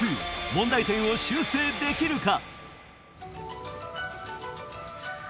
問題点を修正できるか？